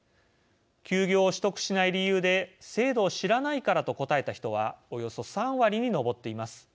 休業を取得しない理由で制度を知らないからと答えた人はおよそ３割に上っています。